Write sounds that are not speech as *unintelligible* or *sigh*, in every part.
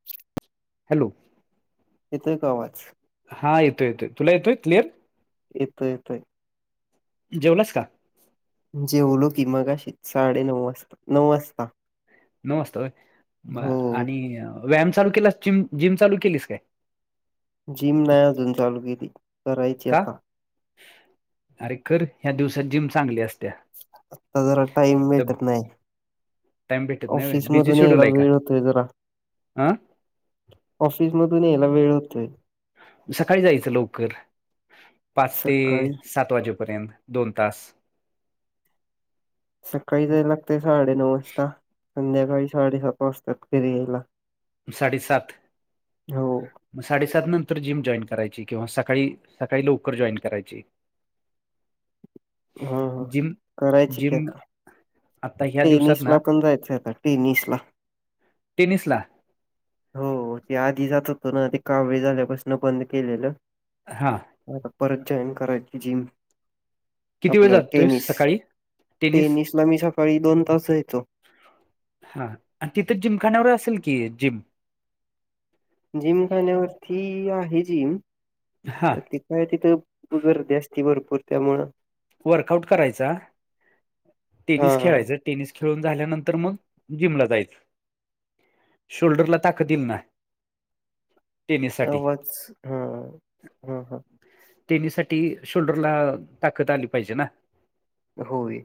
ह हॅलो येत का आवाज हा येतो येतो तुला येतोय क्लिअर येत येतो जेवलंस का जे ओल की मगाशी साडे नऊ वाजता नऊ वाजता नस्तय म हो. आणि व्यायाम चालू केलास जिम जिम चालू केलीस काय जिम नाही अजून चालू केली करायची का आता अरे खर ह्या दिवसात जिम चांगली असत्या आता जरा टाईम तर भेटत नाही टाइम भेटत नाही व्हय बिझी ऑफिसमधून शेड्यूल यायला आहे का वेळ होतोय जरा अ ऑफिस मधून यायला वेळ होतोय सकाळी जायचं लवकर पाच ते सकाळी सात वाजेपर्यंत दोन तास सकाळी जाय लागते साडेनऊ वाजता संध्याकाळी साडेसात वाजताात घरी यायला साडे सात हो मग साडेसात नंतर जिम जॉईन करायची किंवा सकाळी सकाळी लवकर जॉईन करायची हा हा. जिम करायची की जिम आता आता ह्या दिवसात टेनिस ना ला पण जायचं आता टेनिस ला टेनिसला हो ते आधी जात होतो ना आधी कावळे झाल्यापासून बंद केलेलं हां ह परत जॉईन करायची जिम किती वेळ आपलं जातोय टेनिस सकाळी टेनिस टेनिसला मी सकाळी दोन तास जायचो हा तिथं जिमखान्यावर असेल की जिम जिमखान्यावरती आहे जिम हा त काय तिथं गर्दी असती भरपूर त्यामुळं वर्कआउट करायचा हा टेनिस खेळायचं टेनिस खेळून झाल्यानंतर मग जिमला जायचं शोल्डरला ताकत दिल ना टेनिससाठी आवाच हा हा हा तेनीसाठी शोल्डरला ताकद आली पाहिजे ना होय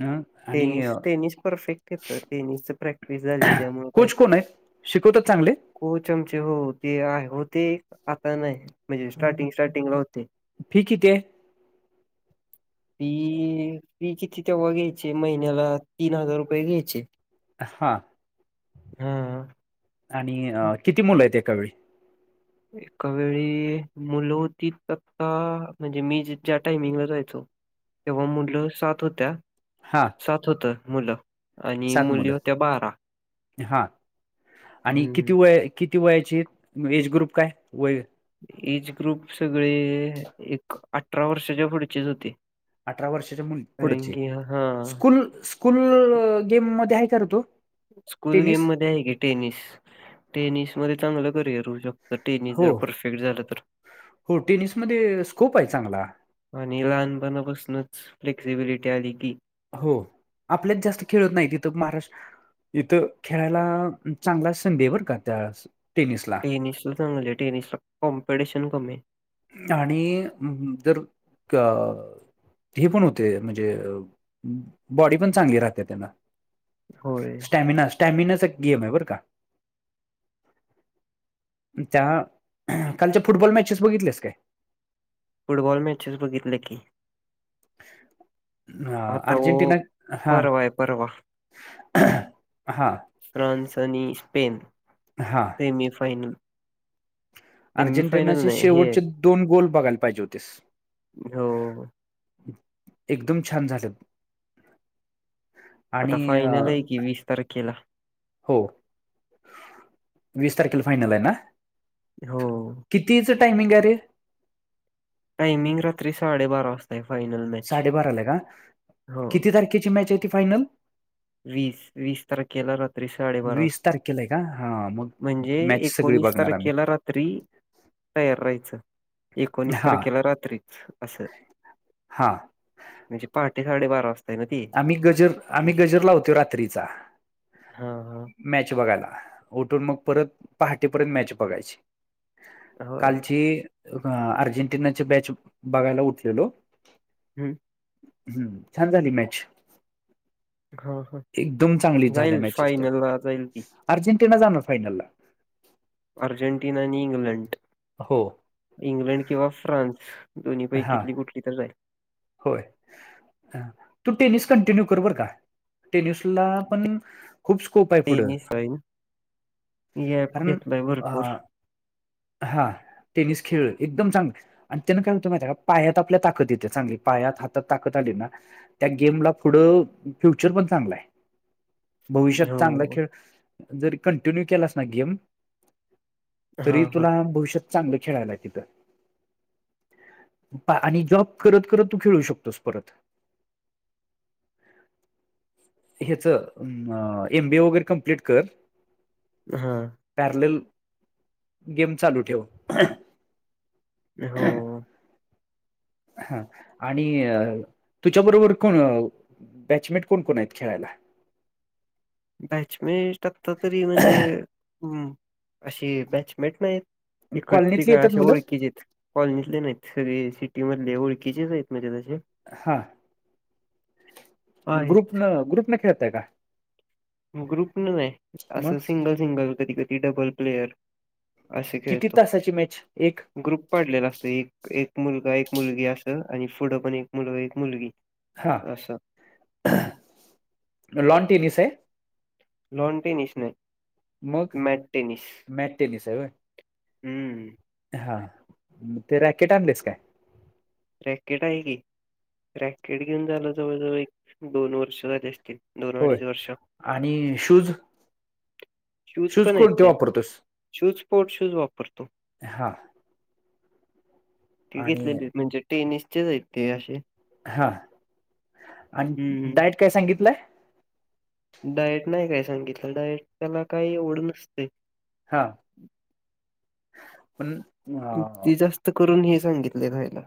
अ आणि टेनिस टेनिस परफेक्ट येतं टेनिसच प्रॅक्टिस झाली त्यामुळे काय कोच कोण आहेत शिकवतात चांगले को चमचे हो ते आहे होते आता नाही म्हणजे स्टार्टिंग स्टार्टिंगला होते फी किती हाय फी फी किती तेव्हा घ्यायचे महिन्याला तीन हजार रुपये घ्यायचे हां हा आणि किती मुलं आहेत एकावेळी एका वेळी मुल हो त तक्ता म्हणजे मी ज्या टाइमिंगवर जायचो तेव्हा मुललं सात होत्या हां सात होत मुलं आणि मुली मुलं होत्या बारा हा आणि हम्म किती वेळ किती वयाची आहेत मग एज ग्रुप काय वय एज ग्रुप सगळे एक अठरा वर्षाच्या पुढचेच होते अठरा वर्षाच्या मुली कारण पुढेचे की हा स्कूल स्कूल गेम मध्ये आहे करतो स्कूल गेम मध्ये आहे की टेनिस टेनिस मध्ये चांगलं करियर होऊ शकत. टेनी जर हो परफेक्ट झालं तर. हो टेनिसमध्ये स्कोप आहे चांगला आणि लहानपणापासूनच फ्लेक्सिबिलिटी आली की हो आपल्यात जास्त खेळत नाही तिथं महाराष्ट्र इथं खेळायला चांगला संधी बरका त्या टेनिसला. टेनिस ला चांगले आहे टेनिस ला कॉम्पिटिशन कमी आहे. आणि जर अ ते पण होते म्हणजे बॉडी पण चांगली राहते त्यांना होय स्टॅमिना स्टॅमिनाचा एक गेम है बर का त्या कालच्या फुटबॉल मॅचेस बघितलेस काय. फुटबॉल मॅचेस बघितले की. ह आता वो अर्जेंटिना हा परवा आहे परवा फ्रान्स आणि स्पेन हां सेमीफायनल. अर्जेंटिनाचे नाही हे शेवटचे दोन बॉल बघायला पाहिजे होतेस. हो एकदम छान झाले. आता फायनल आहे की वीस तारखेला हो वीस तारखेला फायनल आहे ना. हो. कितीचं टायमिंग आहे रे. टायमिंग रात्री साडेबारा वाजता ते फायनल. मॅच साडेबाराला का हो किती तारखेची मॅच आहे ती फायनल. वीस वीस तारखेला रात्री साडेबारा वीस वाजता तारखेला आहे का हा मग म्हणजे मॅच सगळी एकोणीस बघणार आम्ही तारखेला ्री तयार राहायचं एकोणीस हा तारखेला रात्रीच असं हां. म्हणे पहाटे साडे बारा वाजता. आहे ना ती आम्ही गजर आम्ही गजर लावतो रात्रीचा. हा हा. मॅच बघायला उठून मग परत पहाटेपर्यंत मॅच बघायची. हा होय कालची अर्जेंटिनाची बॅच बघायला उठलेलो. हम्म. हम्म छान झाली मॅच. हा हा एकदम चांगली झाल्या जाईल मॅचेस त्या फायनलला जाईल ती अर्जेंटिना जाणार फायनलला. अर्जेंटिना आणि इंग्लंड हो. इंग्लंड किंवा फ्रान्स दोन्ही हा पैकीतली कुठली तरच जाईल. होय. ह तू टेनिस कंटिन्यू कर बर का टेनिसला पण खूप स्कोप आहे पुढं टेनिस राहील. गॅप कारण घेतलाय अ भरपूर. हां. टेनिस खेळ एकदम चांग आणि त्यानं काय होतं माहिती का पायात आपल्या ताकद येते चांगली पायात हातात ताकत आले ना त्या गेमला पुढं फ्युचर पण चांगलंय. भविष्यात चांगला हो. खेळ जरी कंटिन्यू केलास ना गेम तरी हां, हां. तुला भविष्यात चांगलं खेळाला आहे तिथ आणि जॉब करत करत. तू खेळू शकतोस परत. ह्याच एमबी ए वगैरे कम्प्लीट कर. हा. पॅरलेल गेम चालू ठेव हो हा आणि तुच्या बरोबर कोण बॅचमिंट कोून कोून अत खेलला बॅचमेट आता तरी म्हणजे अशी बॅचमेट नाही इकडते कॉलनीतली काय येतात असे मुलं ओळखीचेत कॉलनीतले नाहीत सगळे सिटी मधले ओळखीचेच आहेत म्हणजे तसे हा मग ग्रुप आहेत. न ग्रुप न खेळतय का ग्रुप न आहे मग असं सिंगल सिंगल कधी कधी डबल प्लेयर आ श ख किती येतो तासाची मॅच एक ग्रुप पाडलेला असतो एक एक मुलगा एक मुलगी असं आणि पुढं पण एक मुलगा एक मुलगी हा असं लॉन टेनिस आहे लन टेनिस मग नाही मॅड टेनिस मॅट टेनिस आहे होय हम्म हा ते रॅकेट आणलेच काय रॅकेट आहे की रॅकेट घेऊन झालं जवळजवळ एक दोन वर्ष झाली असतील दोन होय अडीच वर्ष आणि शूज शूज पण य कोणते ते वापरतोस शूज स्पोर्ट शूज वापरतो हा ते आणि घेतलेली म्हणजे टेनिसचेच आहेत ते असे हा आणि हम्म डायट काय सांगितलंय डाएट नाही काय सांगितलं डाएट त्याला काही वढ नसते हा प ती जास्त करून हे सांगितले खयला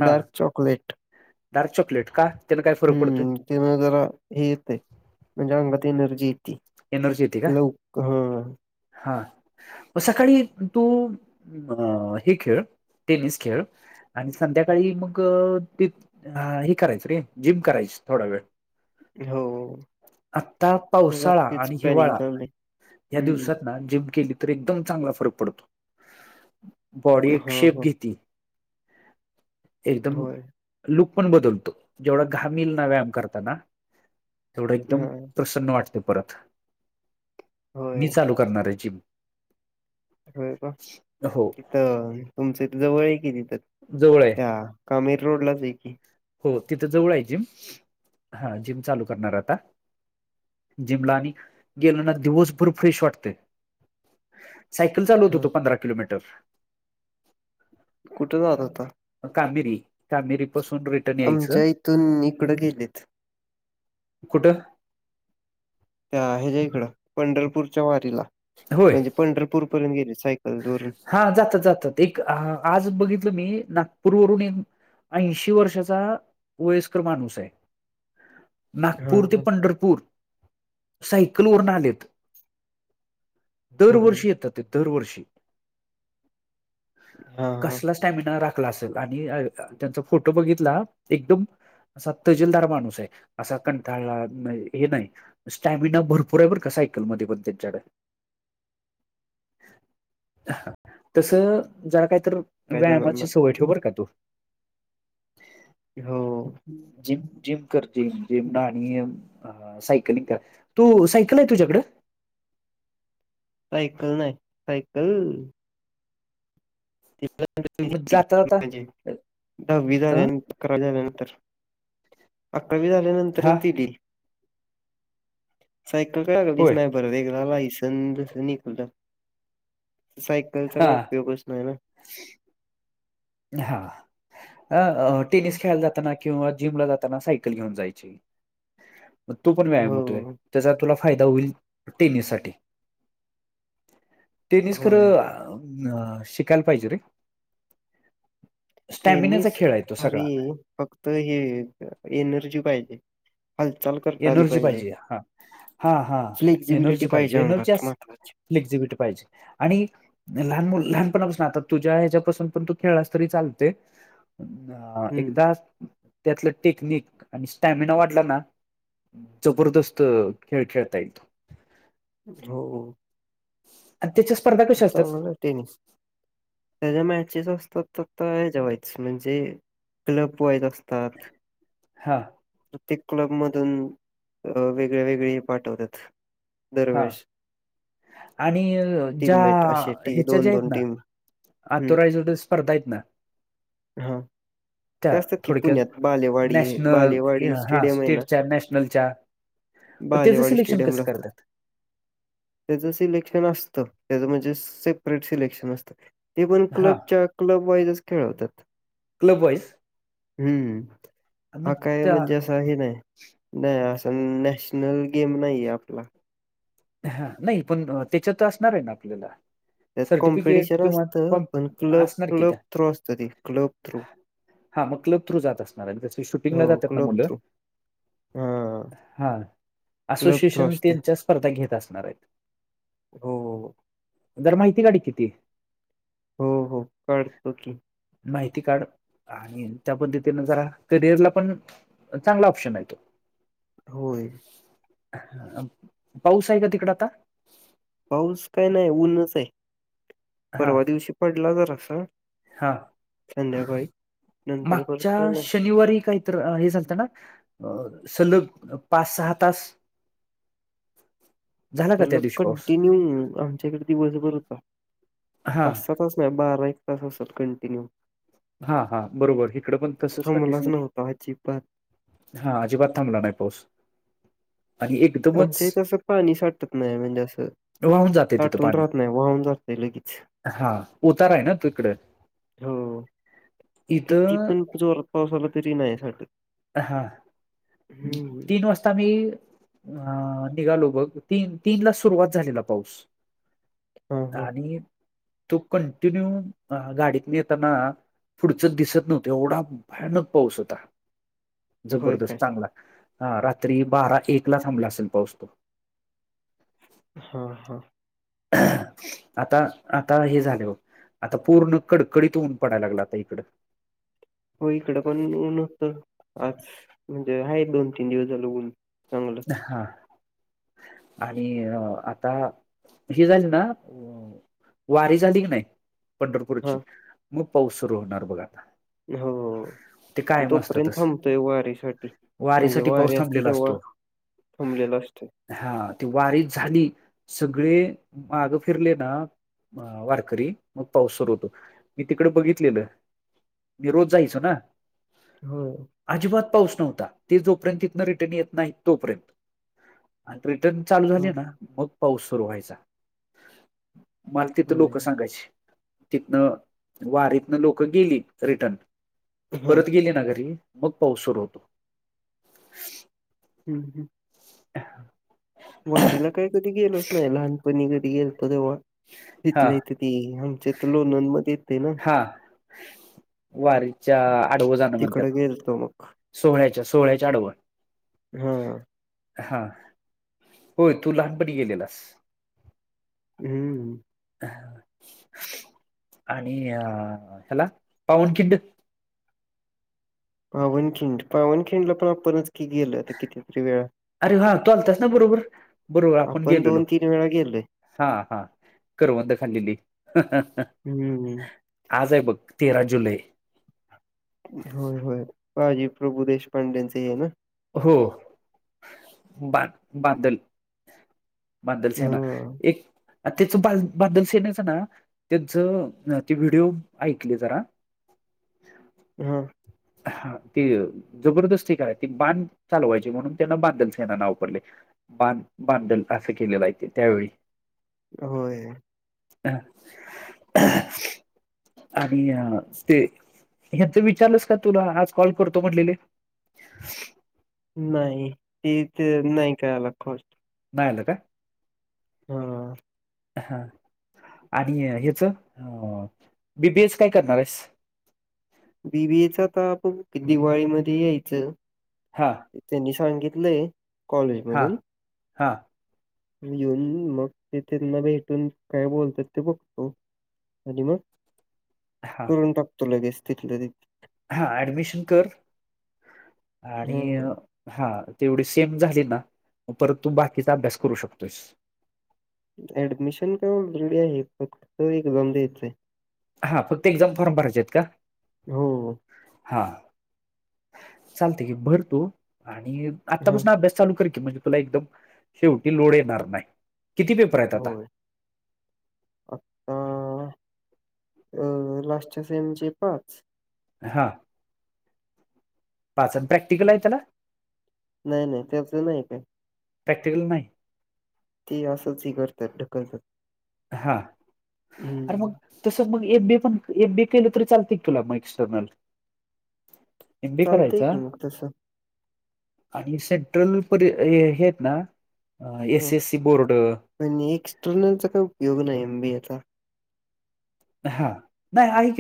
हा डार्क चॉकलेट डार्क चॉकलेट का त्याला काय फरक पडतोय हम्म वग हे येते म्हणजे अंगात एनर्जी येती. एंदरची यती का लवक हां. हा सकाळी तू हे खेळ टेनिस खेळ आणि संध्याकाळी मग त हे करायचं रे जिम करायची थोडा वेळ हो आत्ता मग आता पावसाळा तेच आणि प्लॅनिंग हिवाळा चालले या ह् दिवसात जिम केली तर एकदम चांगला फरक पडतो बॉडी एक हां, शेप हां. घेतती एकदम होय. लुक पण बदलतो जेवढा घामल ना व्यायाम करताना तेवढा एकदम हां. ् वाटते परत मी होय. चालू करणार आहे जिम होय का हो तिथं तुमचं जवळ आहे कितीिथात जवळ आहे त्या कामेर रोडलाच की हो तिथं जवळ आहे जिम हा जिम चालू करणार आता जिमला आणि गेल ना दिवसभूर फ्रेश वाटते सायकल चालव होत हां. होतो पंधरा किलोमीटर कुठे जहात आता कामिरी कामेरीपसून र आमच्या इथून इकडं गेलेत कुठं त्या ह्याच्या्या इकडं पंढरपूरच्या वारीला होय म्हणजे पंढरपूर पर्यंत गेले सायकल दरून हा जातात जातात एक आज बघितलं मी नागपूर वून एक ऐंशी वर्षाचा वयस्कर माणूस आहे हां, नागपूर ते हां. पंढरपूर सायकल वरून आलेत होय. दरवर्षी येतात ते दरवर्षी हां, हां. कसला स्टॅमिना राखला असेल आणि त्यांचा फोटो बघितला एकदम असा तजीलदार माणूस आहे असा कंठाळा हे नाही स्टॅमिना भरपूर आहे पण का सायकलमध्येध्ये पण त्यांच्याकडे तस जरा काहीत काही जणांना व्यायामाची सवय ठेव बर का तू हो. जिम जिम करते जिम राहणी ह सायकलिंग कर तू सायकल आहे तुझ्याकडं सायकल नाही सायकल मग जाता जाता अ हावीधारण अकरावी झाल्यानंतर अकरावी हा झाल्यानंतरच दिली सायकल काय लागल तस होय नाही बर वगला लायसन निघललं सायकलचा हा का उपयोगच नाही ना हा टेनिस खेळाला जाताना किंवा जिमला जाताना सायकल घेऊन जायची मग तो पण व्यायाम होतोय हो त्याचा तुला फायदा होईल टेनिस साठी टेनिस होय खरं अ शिकायला पाहिजे रे त्यांनी स्टॅमिनाचा स खेळ आहे तो सगळा. फक्त हे एनर्जी पाहिजे हालचाल करता आली एनर्जी पाहिजे हा हा हा फ्लेक्झिबिलिटी एनर्जी पाहिजे अंगात एनर्जीस महत्वाची एक्झिबिट पाहिजे आणि लहान मु लहानपणापासून आता तुझ्या ह्याच्यापासून पण तू खेळास तरी चालते हम्म एकदा त्यातलं टेक्निक आणि स्टॅमिना वाढला ना जबरदस्त खेळ खेळता यईल तो हो हो अध्य्यच्या स्पर्ध उत्तरण झाला टनिस त्याच्या मॅचेस असतात तर जेवायच म्हणजे क्लब वाईज असतात हां तिक क्लब मधून वेगळे वेगळे पाठवतात हा दरवेळेस आणि ज्या टीममेट असे टी ह्याच्या दोन ज्या आहेत दोन ना टीम. हं, आतुराजो स्पर्धा आहेत ना हा त्या त्यासाठीारी थोडक्यात पुण्यात बालेवाडी हे नॅशनल बालेवाडी हा स्टेडियम आहे ना स्टेटच्या नॅशनलच्या पण त्याचं बालेवाडी सिलेक्शन कसं स्टेडियमला असतात करतात त्याचं सिलेक्शन असतं त्याचं म्हणजे सेपरेट सिलेक्शन असतं ते पण हा क्लबच्या क्लब वाईजच खेळवतात क्लब वाईस हम्म हा काय त्या म्हणजे अस असं हे नाही नाही असं नॅशनल गेम नाही आहे आपला हा नाही पण त्याच्या तर असणार आहे ना आपल्याला त्यात सर्टिफिकेट कॉम्पिटिशन किंवा असतं कॉम पण क्लब असणार की क्लब त्या थ्रू असत ते क्लब थ्रू हा मग क्लब थ्र जात असणार आहे त्याच्या शूटिंगला हो, जातात ना क्लब मुलं थ्रू. हां. हा क्लब असोसिएशन क्रॉस ते त्यांच्या स्पर्धा घेत असणार आहेत हो हो जर माहिती काड किती हो हो कळतो की माहिती काढ आणि त्या पद्धतीन जरा करिअरला पण चांगला ऑप्शन आहे तो होय पाऊस आहे का तिकड आता पाऊस काय नाही ऊनच आहे हा परवा दिवशी पडला जरास हा नंतर परत काय मागच्या नाही शनिवारी काय तर हे झालत ना सलग पाच सहा तास *inaudible* का तर त्या ल दिवशी पाऊस कंटिन्यू आमच्याकडे दिवसभर होता हा पाच स तास नाही बारा एक तस असतात कंटिन्यू हा हा बरोबर इकडं पण तसच कंडिशन थांबलाच होत नव्हता अजिबात हा अजिबात थांबला नाही पाऊस आणि एकदा आमच्या इथ असं पाणी साठत नाही म्हणजे असं वाहून जाते तिथं तटुन पाणी राहत नाही वाहुन ज्ञात लगेच लगेच हा उतारा आहे ना तिकडं हो इथं कितीपण ज्ञोरात पाऊस आला तरी नाही साचत हांा तीन वाजता मी अ निघालो बघ तीन तीन ला सुरुवात झालेला पाऊस हां हां आणि तू कंटिन्यू गाडीतली येत त्यांना पुढच दिसत नव्हतं एवढा भयानक पाऊस होता होय जबरदस्त काय चांगला हा रात्री बारा एक ला थांबला असेल पाऊस तो हा हा आता आता हे झाले हो आता पूर्ण कडकडीत ऊन पडाला लागला आता इकडं हो इकड पण ऊन होत आज म्हणजे आहे दोन तीन दिवस झालं ऊन चांगलं हा आणि आता ही झाली ना वारी झाली की नाही हा पंढरपूरची मग पाऊस सुरू होणार बघ आता हो ते ति कायम असतं तोपर्यंत तसं थांबतोय वारी साठी म्हणजे वारीसाठी वारीे पाऊस असती थांबलेला तेव्हा असतो थांबलेलं असते हा ती वारी झाली सगळे माग फिरले ना अ वारकरी मग पाऊस सुरू होतो मी तिकड बघितलेलं. मी रोज जायचो ना. हो. अजिबात पाऊस नव्हता, ते जोपर्यंत इथन रिटर्न येत नाही तोपर्यंत. आणि रिटर्न चालू हो झाले ना,, मग पाऊस सुरू व्हायचा. मला तिथं होय लोक सांगायचे. तिथनं,, वारीतनं लोक गेली रिटर्न, हा परत गेली ना घरी मग पऊस सुरू होतो. हम्, ह वारीला काय कधी गेलोच नाय? लहान तुम्ही कधी गेलतो तवा. हा तिथलं येत ती आमच्या तर लोनन मधे येतय ना. हा वारीच्या आडव जाणं म्हणत्यात तिकडं गेलतो मग सोहळ्याच्या. सोहळ्याच्या आडव हम्म हा, होय तू लहानपणी गेलेलास. हम्म, आणि अ ह्याला पावन किंड. पावनखिंड, पावनखिंडला पण आपनच की गेलं तर किती तरी वेळा अरे हा तू आलतस ना बरोबर, बरोबर आपण गेलेलो दोन तीन वेळा गेलोय हा हा करवंद खालेली हम्म आज आहे बघ तेरा जुलै. होय, होय, बाजी प्रभू देशपांडे्यांच आहे ना. हो बा बादल बांदल सेना हां. एक त्याच बांदल सेनेच ना, त्याचं ते व्हिडिओ ऐकले जरा अ्छा, हा, हा,, ती जबरदस्ती काय? बांन चालवायची म्हणून त्यान बांदल सेना नाव वापरलय. बांध, बांधल असं केलेलं आहे ते त्यावेळी. होय, हा,, आणि, ते हच विचारलंस का तुला आज कॉल करतो म्हटलेले? *unintelligible* नाही, तेच नाही काय आला कॉल. नाही आला काय? हम, हा,, आणि ह्याच,, बी, बी, एस काय करणार आहेस? वि ब एचा आता बघु की,, दिवाळीमध्ये यायचं. हां, त्यांनी सांगितलंय,, हा कॉलेजमधून. हा येऊन मग ते त्यांना भेटून काय बोलतात ते बघतो. आणि मग हा करून टाकतो लगेच,, तिथलं तिथऽ हा, ऍडमिशन कर,, हां. आणिऽ हा,, तेवढी सेम झाली ना,, परत तू बाकीचा अभ्यास करू शकतोस. ऍडमिशन काय ऑलरेडी आहे,, फक्त एक्झाम द्यायच आहे.. हा, फक्त एक्झाम फॉर्म भरायचे आहेत का? हो, हा, चालतय की भर तू,, आणि हां, आतापासून अभ्यास ऽ चालू कर की,, मंजे तुला एकदम शेवटी लोड एनार नाय,, कीती पेपरऽ होय,, आताऽ अ, लास्टच्या सेमचे पाच,, हां पाचन ब्रे नाही नाही त्याचं नाही काय. प्रॅक्टिकल नाही. ते असंच ह करतात ढकल. हा अरे मग तसं मग एम बी पण एम बी केलं तरी चालते कुला मग एक्सटर्नल. एमबी चालतंय करायचा. की मग तसं आणि सेंट्रल पर हे आहेत ना ह एसी एस सी बोर्ड. पण एक्सटर्नलचा काय उपयोग नाही एम बी एचा हा नाही आ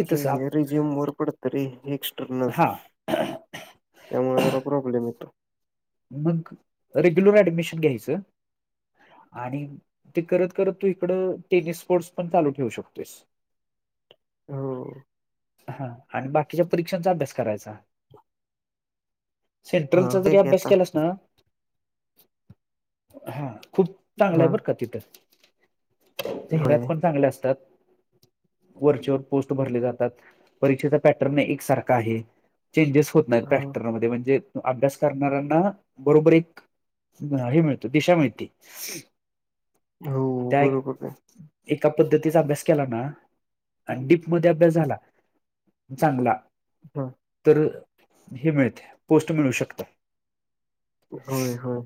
रिझ्यूम वर पडत रे एक्स्टर्नल. हा त्यामुळे ज प्रॉब्लेम येतो. मग रेग्युलर ऍडमिशन घ्यायचं. आणि ते करत करत तू इकड टेनिस स्पोर्ट्स पण चालू ठेवू शकतोस. *inaudible* *inaudible* *unintelligible* हो हा आणि बाकीच्या परीक्षांचा अभ्यास करायचा हा सेंट्रलचा जरी ठीक आहे अभ्यास आता केलास ना हा खूप चांगलं हा आहे बर का तिथं होय चेहऱ्यात पण चांगल्या असतात वर व पोस्ट भरले जातात परीक्षेचा पॅटर्न एक सारखा आहे चेंजेस होत नाही ह प्रॅक्टर म म्हणजे अभ्यास करणार बरोबर एक हे मित दिशा मिळती हो त्या बरोबर आहे एका पद्धतीचा अभ्यास केला ना आणि डीप मध्ये अभ्यास झाला चांगला हा तर हे मिळते पोस्ट मिळू शकत होय होय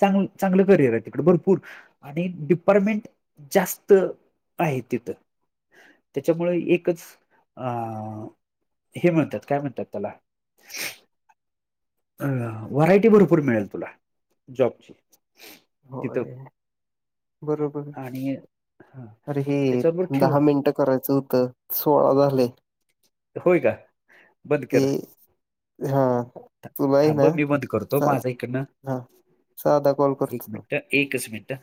चांग चांगलं करिअर आहे तिकडे भरपूर आणि डिपार्टमेंट जास्त आहे तिथं त्याच्यामुळे एकच अ हे म्हणतात काय म्हणतात त्याला अ व्हरायटी भरपूर मिळेल तुला जॉबची हो तिथं बरोबर आणि हा अरे हे त्याच्याबरोबर खेळ दहा मिनिट करायचं होतं सोळा द होय का ते बदकरर हा तुला आहे थांब ना मी बंद करतो साध माझा इकडनं हा साधा कॉल एक करतो मिनट एकच मिनट